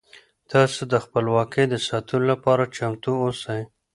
تاسو د خپلواکۍ د ساتلو لپاره چمتو اوسئ.